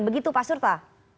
begitu pak surta